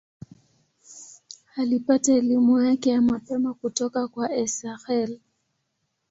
Alipata elimu yake ya mapema kutoka kwa Esakhel.